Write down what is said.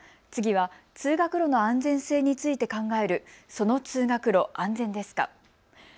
次は通学路の安全性について考えるその通学路、安全ですか。